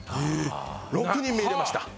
６人目入れました。